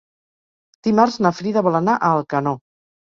Dimarts na Frida vol anar a Alcanó.